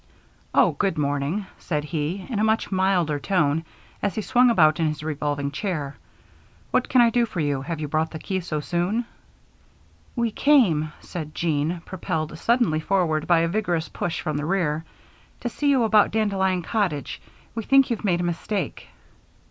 "Oh, good morning," said he, in a much milder tone, as he swung about in his revolving chair. "What can I do for you? Have you brought the key so soon?" "We came," said Jean, propelled suddenly forward by a vigorous push from the rear, "to see you about Dandelion Cottage. We think you've made a mistake."